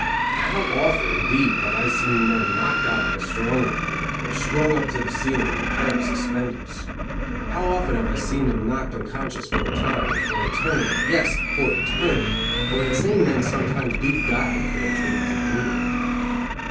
How often, indeed, have I seen men knocked out by strong arm work, or strung up to the ceiling with a pair of suspenders! How often have I seen them knocked unconscious for a time or for eternity yes for eternity, for insane men sometimes do die, if they are treated too brutally.